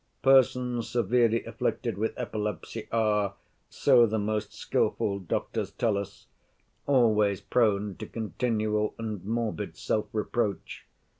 Persons severely afflicted with epilepsy are, so the most skillful doctors tell us, always prone to continual and morbid self‐reproach.